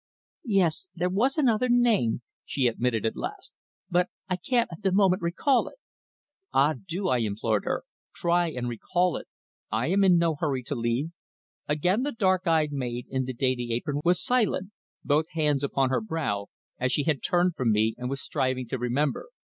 "Yes, there was another name," she admitted at last, "but I can't at the moment recall it." "Ah, do!" I implored her. "Try and recall it. I am in no hurry to leave." Again the dark eyed maid in the dainty apron was silent both hands upon her brow, as she had turned from me and was striving to remember.